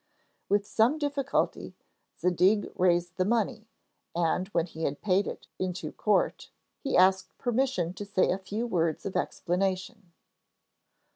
With some difficulty Zadig raised the money, and when he had paid it into court, he asked permission to say a few words of explanation.